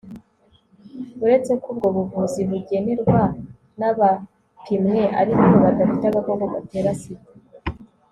uretse ko ubwo buvuzi bugenerwa n'abapimwe ariko badafite agakoko gatera sida